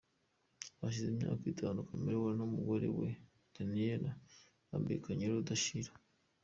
Hashize imyaka itanu Chameleone numugore we Daniellah bambikanye iyurudashira.